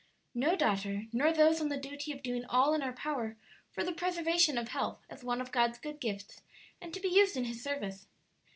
"No, daughter; nor those on the duty of doing all in our power for the preservation of health as one of God's good gifts, and to be used in His service."